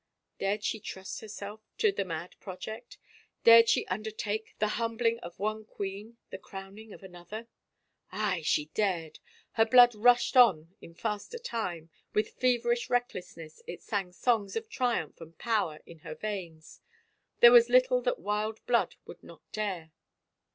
Dared she trust herself to the mad project? Dared she undertake the htmibling of one queen, the crowning of another? Aye, she dared I Her blood rushed on in faster time : with feverish recklessness it sang songs of triumph and power in her veins. There was little that wild blood would not dare!